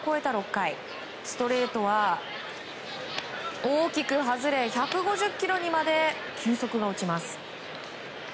６回ストレートは大きく外れ１５０キロにまで球速が落ちます。